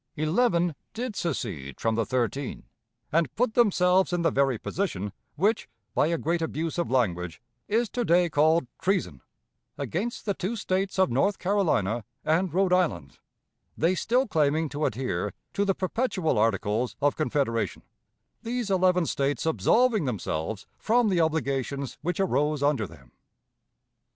Eleven did secede from the thirteen, and put themselves in the very position which, by a great abuse of language, is to day called treason, against the two States of North Carolina and Rhode Island; they still claiming to adhere to the perpetual Articles of Confederation, these eleven States absolving themselves from the obligations which arose under them.